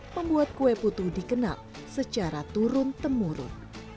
membuat kue putu dikenal secara turun temurun